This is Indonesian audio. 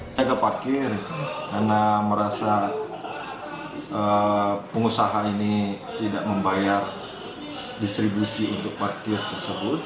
tenaga parkir karena merasa pengusaha ini tidak membayar distribusi untuk parkir tersebut